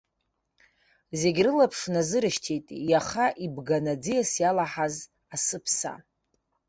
Зегьы рылаԥш назырышьҭит иаха ибганы аӡиас иалаҳаз асыԥса.